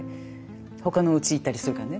他のうち行ったりするからね。